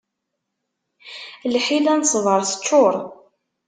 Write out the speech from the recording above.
Lḥila n ṣṣbeṛ teččuṛ.